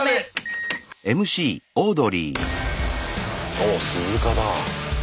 おっ鈴鹿だ。